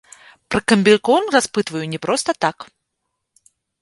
Пра камбікорм распытваю не проста так.